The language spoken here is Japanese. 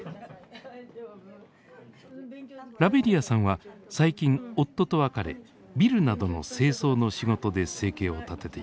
ラヴェリアさんは最近夫と別れビルなどの清掃の仕事で生計を立てています。